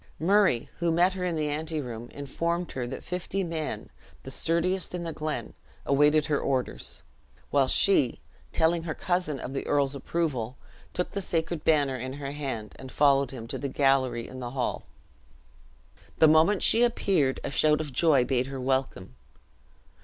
Murray, who met her in the anteroom, informed her that fifty men, the sturdiest in the glen, awaited her orders; while she, telling her cousin of the earl's approval, took the sacred banner in her hand, and followed him to the gallery in the hall. The moment she appeared, a shout of joy bade her welcome.